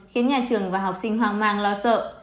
khiến nhà trường và học sinh hoang mang lo sợ